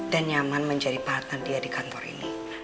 dan nyaman menjadi partner dia di kantor ini